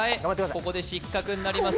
ここで失格になります